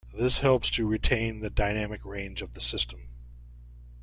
This helps to retain the dynamic range of the system.